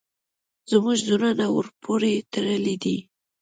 زموږ زړونه ورپورې تړلي دي.